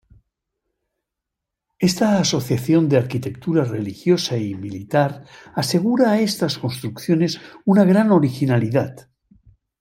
Esta asociación de arquitectura religiosa y militar asegura a estas construcciones una gran originalidad.